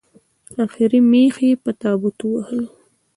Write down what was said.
اخري مېخ یې په تابوت ووهلو